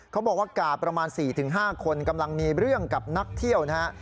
เขาบอกว่ากาประมาณ๔๕คนกำลังมีเรื่องกับนักเที่ยวนะฮะ